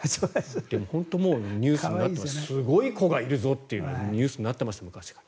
でも本当にニュースになってすごい子がいるぞとニュースになっていました昔から。